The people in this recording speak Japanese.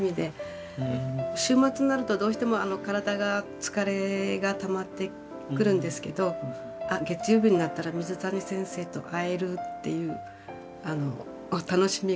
週末になるとどうしても体が疲れがたまってくるんですけど「あっ月曜日になったら水谷先生と会える」っていう楽しみが湧いてきて。